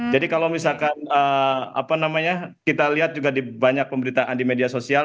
jadi kalau misalkan kita lihat juga di banyak pemberitaan di media sosial